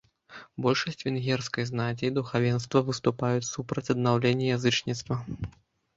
Большасць венгерскай знаці і духавенства выступалі супраць аднаўлення язычніцтва.